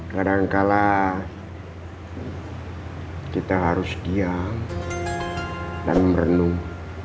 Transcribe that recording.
kadangkala kita harus diam dan merenung